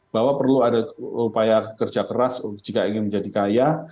bahwa perlu ada upaya kerja keras jika ingin menjadi kaya